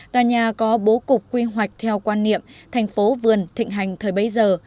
tòa nhà có bố cục quy hoạch theo quan niệm thành phố vườn thịnh hành thời bấy giờ